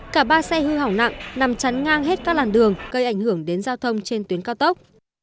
cả ba xe hư hỏng nặng nằm chắn ngang hết các làn đường gây ảnh hưởng đến giao thông trên tuyến cao tốc